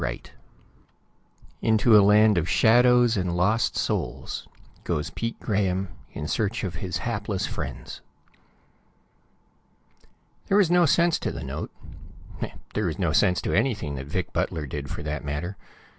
_]++| Into a land of shadows and lost || souls goes Pete Grahame in search || of his hapless friends. |++ There was no sense to the note. There was no sense to anything that Vic Butler did, for that matter.